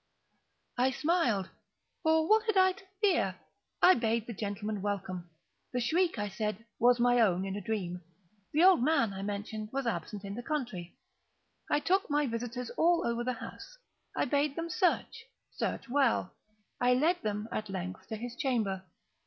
I smiled,—for what had I to fear? I bade the gentlemen welcome. The shriek, I said, was my own in a dream. The old man, I mentioned, was absent in the country. I took my visitors all over the house. I bade them search—search well. I led them, at length, to his chamber.